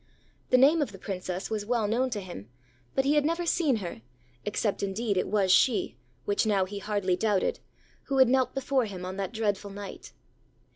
The name of the Princess was well known to him, but he had never seen her; except indeed it was she, which now he hardly doubted, who had knelt before him on that dreadful night.